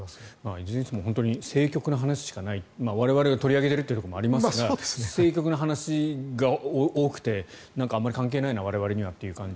いずれにしても政局の話しかない我々が取り上げているというところもありますが政局の話が多くてあまり関係ないな、我々にはという感じ。